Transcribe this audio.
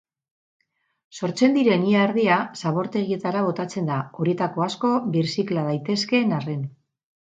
Sortzen diren ia erdia zabortegietara botatzen da, horietako asko birzikla daitezkeen arren.